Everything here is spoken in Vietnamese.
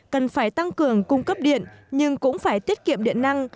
cần phải tăng cường cung cấp điện nhưng cũng phải tiết kiệm điện năng